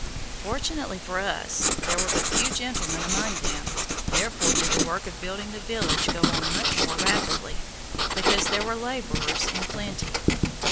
Fortunately for us there were but few gentlemen among them, therefore did the work of building the village go on much more rapidly, because there were laborers in plenty.